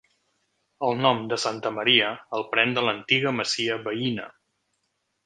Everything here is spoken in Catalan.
El nom de Santa Maria el pren de l'antiga masia veïna.